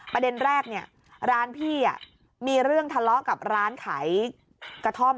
ประเด็นแรกเนี่ยร้านพี่มีเรื่องทะเลาะกับร้านขายกระท่อม